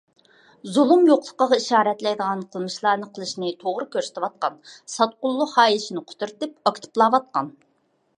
زۇلۇم يوقلىقىغا ئىشارەتلەيدىغان قىلمىشلارنى قىلىشنى توغرا كۆرسىتىۋاتقان، ساتقۇنلۇق خاھىشىنى قۇترىتىپ ئاكتىپلاۋاتقان.